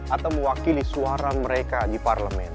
atau mewakili suara mereka di parlemen